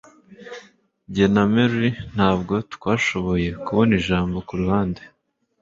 Jye na Mary ntabwo twashoboye kubona ijambo kuruhande